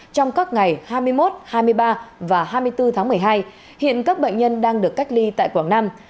trong các ngày hai mươi một hai mươi ba và hai mươi bốn tháng một mươi hai hiện các bệnh nhân đang được cách ly tại quảng nam